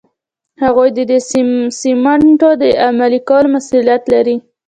هغوی ددې سیسټمونو د عملي کولو مسؤلیت لري.